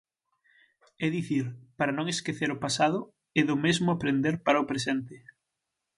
É dicir, para non esquecer o pasado, e do mesmo aprender para o presente.